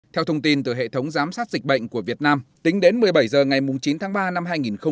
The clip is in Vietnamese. theo thông tin từ hệ thống giám sát dịch bệnh của việt nam tính đến một mươi bảy h ngày chín tháng ba năm hai nghìn hai mươi